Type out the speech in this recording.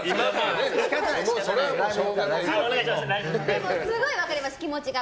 でもすごい分かります気持ちが。